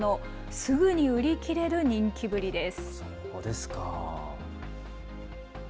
すぐに売り切れる人気ぶりです。